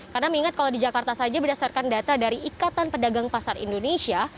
karena mengingat kalau di jakarta saja berdasarkan data dari ikatan pedagang pasar indonesia